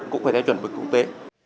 cũng phải theo chuẩn vực quốc tế